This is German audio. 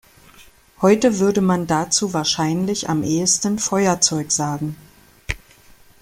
Heute würde man dazu wahrscheinlich am ehesten Feuerzeug sagen.